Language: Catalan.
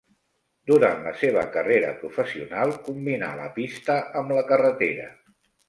Durant la seva carrera professional combinà la pista amb la carretera.